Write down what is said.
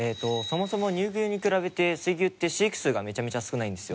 そもそも乳牛に比べて水牛って飼育数がめちゃめちゃ少ないんですよ。